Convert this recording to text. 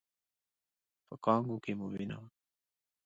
په کانګو کې مو وینه وه؟